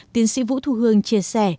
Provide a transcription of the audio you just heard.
tiến sĩ vũ thu hương chia sẻ